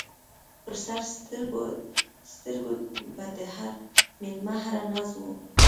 پر سر سترګو به د هر مېلمه هر ناز و